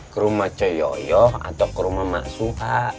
ke rumah cei yoyo atau ke rumah maksuha